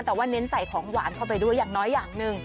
แต่ว่าเน้นใส่ของหวานเข้าไปด้วยอย่างน้อยอย่างหนึ่ง